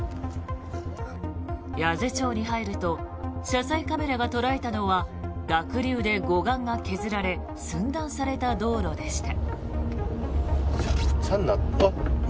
八頭町に入ると車載カメラが捉えたのは濁流で護岸が削られ寸断された道路でした。